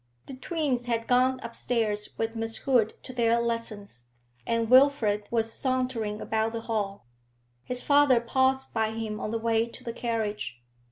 The twins had gone upstairs with Miss Hood to their lessons, and Wilfrid was sauntering about the hall. His father paused by him on the way to the carriage.